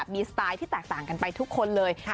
มีสไตล์ที่แตกต่างกันไปทุกคนเลย